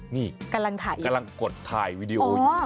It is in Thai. นี่กำลังกดถ่ายวิดีโออยู่